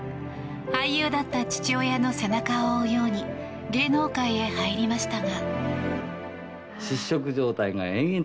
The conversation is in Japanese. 俳優だった父親の背中を追うように芸能界へ入りましたが。